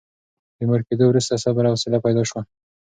د مور کېدو وروسته صبر او حوصله پیدا شوه.